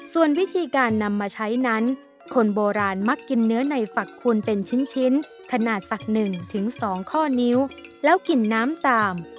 ส่วนวิธีการนำมาใช้นั้นคนโบราณมักกินเนื้อในฝักคูณเป็นชิ้นขนาดสัก๑๒ข้อนิ้วแล้วกลิ่นน้ำตาม